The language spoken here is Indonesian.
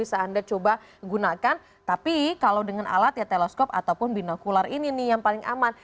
bisa anda coba gunakan tapi kalau dengan alat ya teleskop ataupun binokular ini nih yang paling aman